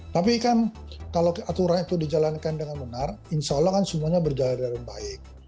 tapi kan kalau aturan itu dijalankan dengan benar insya allah kan semuanya berjalan dengan baik